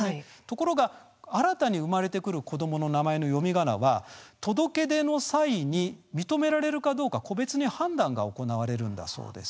ところが新たに生まれてくる子どもの名前の読みがなは届け出の際に認められるかどうか個別に判断が行われるんだそうです。